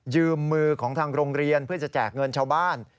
มือของทางโรงเรียนเพื่อจะแจกเงินชาวบ้าน